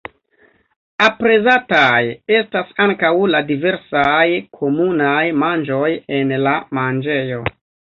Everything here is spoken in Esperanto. Aprezataj estas ankaŭ la diversaj komunaj manĝoj en la manĝejo.